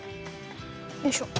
よいしょ。